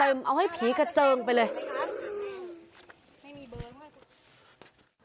เอาให้ผีเกจเจิงไปเลย